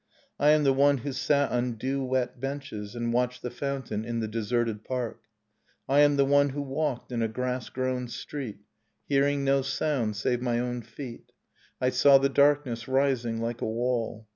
I am the one who sat on dew wet benches And watched the fountain in the deserted park. I am the one who walked in a grass grown street Hearing no sound save my own feet. I saw the darkness rising like a wall.